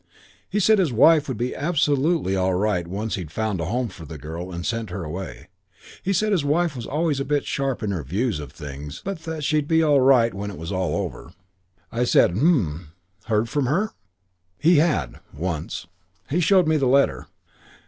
"He said his wife would be absolutely all right once he'd found a home for the girl and sent her away. He said his wife was always a bit sharp in her views of things, but that she'd be all right when it was all over. "I said, 'H'm. Heard from her?' "He had once. He showed me the letter.